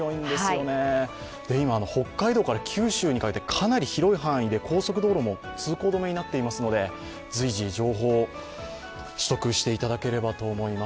今、北海道から九州にかけてかなり広い範囲で高速道路も通行止めになっていますので、随時情報を取得していただければと思います。